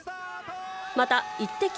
またイッテＱ！